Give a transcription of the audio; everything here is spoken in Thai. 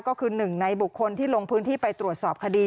ก็คือหนึ่งในบุคคลที่ลงพื้นที่ไปตรวจสอบคดี